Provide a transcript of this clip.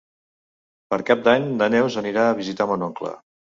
Per Cap d'Any na Neus anirà a visitar mon oncle.